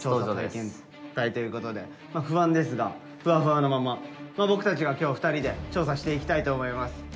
探検隊ということで不安ですがふわふわのまま僕たちが今日２人で調査していきたいと思います。